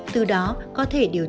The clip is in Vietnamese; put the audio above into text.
từ đó có thể điều chỉnh lượng